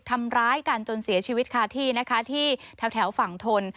ทำร้ายกันจนเสียชีวิตคาที่นะคะที่แถวฝั่งทน